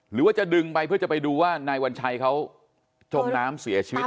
หรือว่าจะดึงไปเพื่อจะไปดูว่านายวัญชัยเขาจมน้ำเสียชีวิต